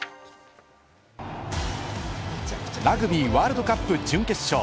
ラグビーワールドカップ準決勝。